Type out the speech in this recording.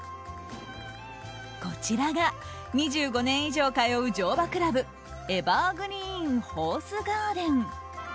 こちらが２５年以上通う乗馬クラブエバーグリーンホースガーデン。